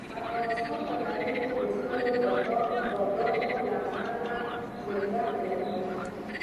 افغانستان په نړۍ کې د خپلو بادامو له امله شهرت لري.